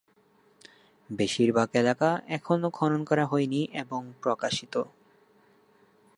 বেশিরভাগ এলাকা এখনও খনন করা হয়নি এবং প্রকাশিত।